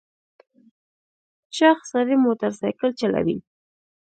چاغ سړی موټر سایکل چلوي .